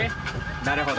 なるほど。